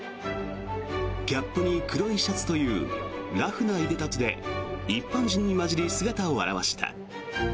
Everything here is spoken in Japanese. キャップに黒いシャツというラフないでたちで一般人に交じり姿を現した。